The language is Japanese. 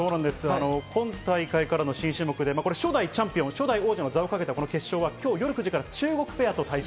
今大会からの新種目で初代王者の座をかけての決勝は今日夜９時から中国ペアと対戦。